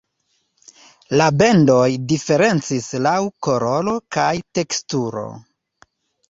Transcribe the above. La bendoj diferencis laŭ koloro kaj teksturo.